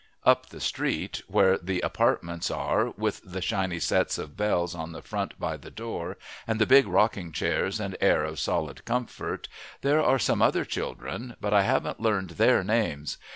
Up the street, where the apartments are with the shiny sets of bells on the front by the door, and the big rocking chairs and air of solid comfort, there are some other children, but I haven't learned their names.